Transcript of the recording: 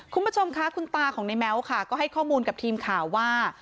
คุณผู้ชมค่ะคุณตาของในแม้วค่ะก็ให้ข้อมูลกับทีมข่าวว่า